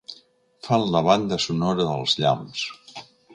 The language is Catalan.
Fan la banda sonora dels llamps.